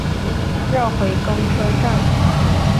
绕回公车站